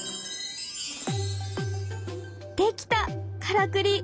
出来たからくり！